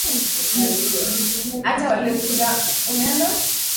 Walivamia balozi mbili za kidiplomasia